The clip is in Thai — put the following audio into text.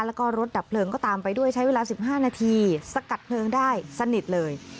แล้วก็รถดับเพลิงก็ตามไปด้วยใช้เวลา๑๕นาทีสกัดเพลิงได้สนิทเลย